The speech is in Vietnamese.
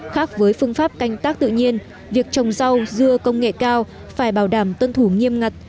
khác với phương pháp canh tác tự nhiên việc trồng rau dưa công nghệ cao phải bảo đảm tuân thủ nghiêm ngặt